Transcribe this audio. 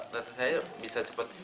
teteh saya bisa cepet